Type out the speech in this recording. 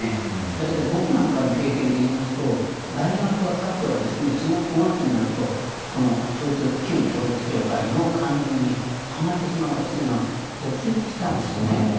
だけれど僕なんかの経験で言いますと、大学はかつて４月、５月になると旧統一教会の勧誘にはまってしまう学生が続出したんですね。